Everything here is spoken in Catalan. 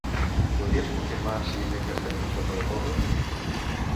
Podries confirmar si dimecres tenim sopa de porro?